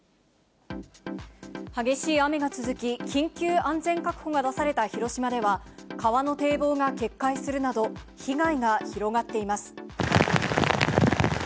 激しい雨が続き、緊急安全確保が出された広島では、川の堤防が決壊するなど、被害が広がっています。